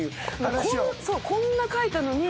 こんな書いたのに。